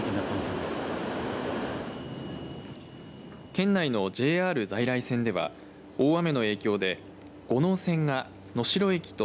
県内のＪＲ在来線では大雨の影響で五能線が能代駅と